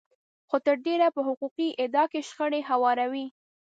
خو تر ډېره په حقوقي ادعا کې شخړې هواروي.